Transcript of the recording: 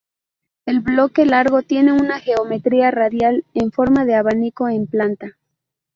El bloque largo tiene una geometría radial, en forma de abanico en planta.